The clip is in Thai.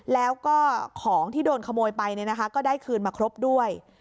แล้วก็ของที่โดนขโมยไปก็ได้คืนมาครบด้วย